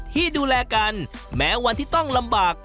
ที่ดูแลกันแม้วันที่ต้องลำบาก